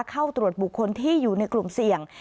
เข้าตรวจบุคคลที่อยู่ในกลุ่มเสี่ยง